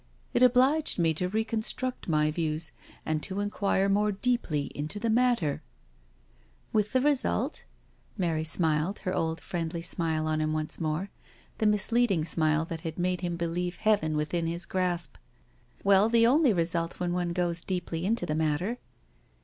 It obliged me to re construct my views and to inquire more deeply into the matter,'* •• With the result? '• Mary smiled her old friendly smile on him once more — the misleading smile that had made him believe heaven within his grasp. Well, the only logical result when one goes deeply into the matter.